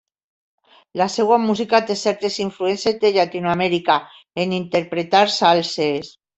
La seva música té certes influències de Llatinoamèrica, en interpretar salses.